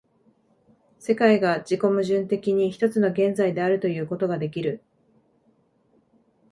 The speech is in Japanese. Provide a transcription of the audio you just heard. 世界が自己矛盾的に一つの現在であるということができる。